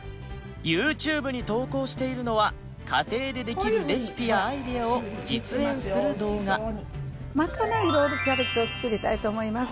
ＹｏｕＴｕｂｅ に投稿しているのは家庭でできるレシピやアイデアを実演する動画巻かないロールキャベツを作りたいと思います。